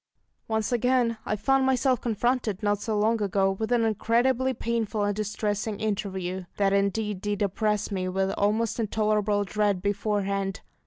Once again I found myself confronted, not so long ago, with an incredibly painful and distressing interview. That indeed did oppress me with almost intolerable dread beforehand.